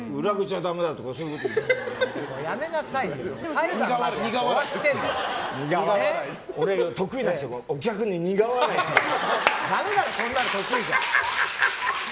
だめだろ、そんなの得意じゃ！